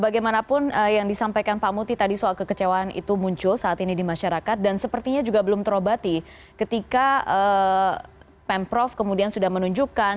bagaimanapun yang disampaikan pak muti tadi soal kekecewaan itu muncul saat ini di masyarakat dan sepertinya juga belum terobati ketika pemprov kemudian sudah menunjukkan